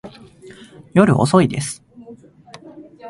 夜遅いです。